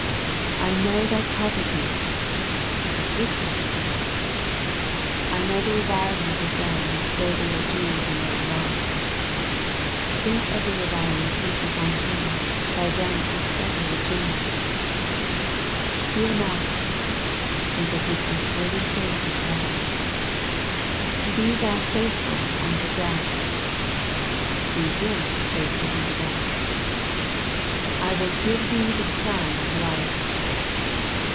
" I know thy poverty !" Think of His poverty. " I know the revilings of them which say they are Jews and they are not !" Think of the revilings heaped upon Him by them which said they were Jews. " Fear not !" Think of His unswerving faith in God. " Be thou faithful until death !" See Him faithful unto death. *' I will give thee the crown of life